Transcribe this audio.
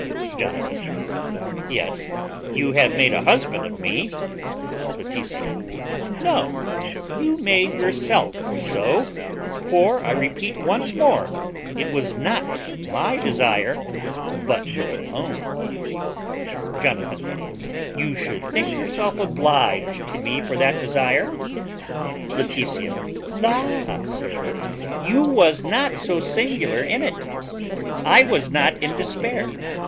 Jonathan. Yes, you have made a husband of me. Laetitia. No, you made yourself so; for I repeat once more it was not my desire, but your own. Jonathan. You should think yourself obliged to me for that desire. Laetitia. La, sir! you was not so singular in it. I was not in despair.